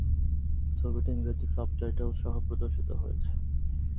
ছবিটিতে ইংরেজি সাব-টাইটেলসহ প্রদর্শিত হবে।